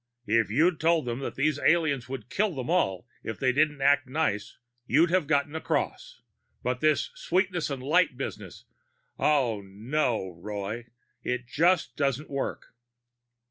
If you'd told them that these aliens would kill them all if they didn't act nice, you'd have gotten across. But this sweetness and light business oh, no, Roy. It just doesn't work."